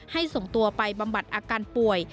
ส่งตัวไปบำบัดอาการป่วย